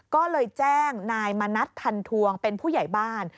ก็เลยแจ้งนายมณัฐทันทวงเป็นผู้ใหญ่บ้าน